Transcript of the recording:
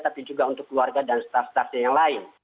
tapi juga untuk keluarga dan staff staff yang lain